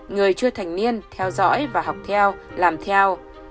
người chưa thành niên theo dõi và học theo làm theo